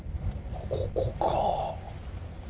ここか。